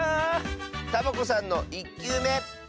サボ子さんの１きゅうめどうぞ！